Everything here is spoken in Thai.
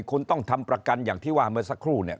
คุณต้องทำประกันอย่างที่ว่าเมื่อสักครู่เนี่ย